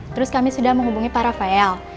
terus kami sudah menghubungi pak rafael